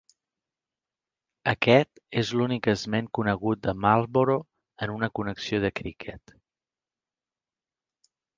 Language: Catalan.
Aquest és l'únic esment conegut de Marlborough en una connexió de criquet.